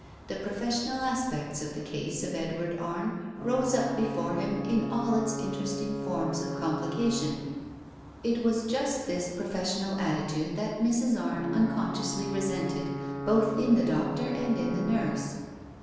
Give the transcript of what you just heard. The professional aspects of the case of Edward Arne rose up before him in all its interesting forms of complication. ... It was just this professional attitude that Mrs. Arne unconsciously resented both in the doctor and in the nurse.